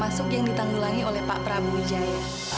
termasuk yang ditanggulangi oleh pak prabu wijaya